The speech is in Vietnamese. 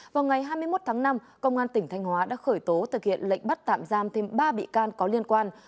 vào ngày hai mươi một tháng năm công an tỉnh thanh hóa đã khởi tố thực hiện lệnh bắt tạm giam thêm ba bị can có liên quan